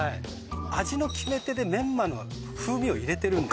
味の決め手でメンマの風味を入れてるんです